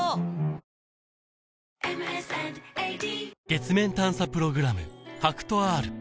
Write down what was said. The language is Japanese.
月面探査プログラム